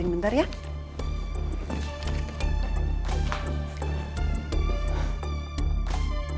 isi tingannya lho